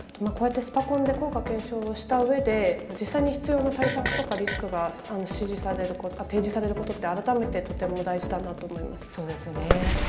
こうやってスパコンで効果検証をしたうえで実際に必要な対策とかリスクが提示されることって改めてとても大事だなと思います。